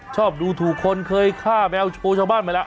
ชอบดูถูกคนเคยฆ่าแมวโชว์ชาวบ้านมาแล้ว